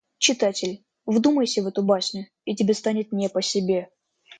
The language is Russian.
Читатель, вдумайся в эту басню и тебе станет не по себе.